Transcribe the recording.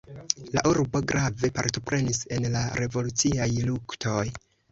La urbeto grave partoprenis en la revoluciaj luktoj.